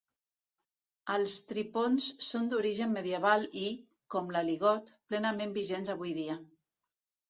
Els tripons són d'origen medieval i, com l'aligot, plenament vigents avui dia.